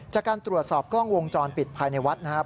จากการตรวจสอบกล้องวงจรปิดภายในวัดนะครับ